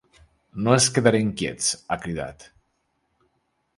No ens quedarem quiets, ha cridat.